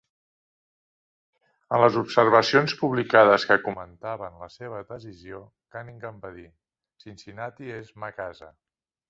En les observacions publicades que comentaven la seva decisió, Cunningham va dir: "Cincinnati és ma casa".